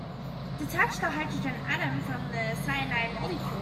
Detach the hydrogen atom from the cyanide molecule.